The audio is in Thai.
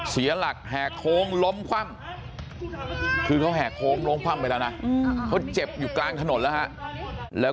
เสียหลักแห่งโคลงล้มพ่ำหากลงเพิ่มไว้แล้วนะเจ็บอยู่กลางถนนหรือไม่แล้ว